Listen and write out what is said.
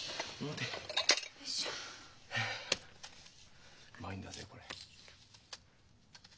うまいんだぜこれ。